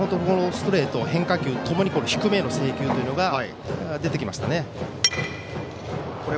ストレート、変化球ともに低めへの制球が出てきましたね。